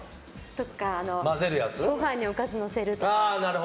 とか、ご飯におかずのせるとか。